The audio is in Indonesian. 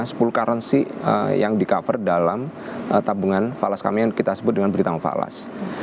sepuluh currency yang di cover dalam tabungan falas kami yang kita sebut dengan berita falas